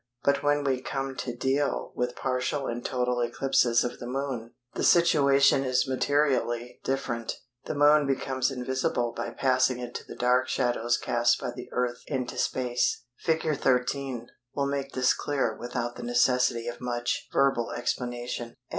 But when we come to deal with partial and total eclipses of the Moon, the situation, is materially different. The Moon becomes invisible by passing into the dark shadow cast by the Earth into space. [Illustration: FIG. 13.—THEORY OF AN ECLIPSE OF THE MOON.] Fig. 13 will make this clear without the necessity of much verbal explanation.